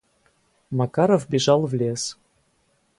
Макаров бежал в лес.